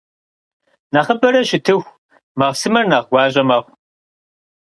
Нэхъыбэрэ щытыху, махъсымэр нэхъ гуащIэ мэхъу.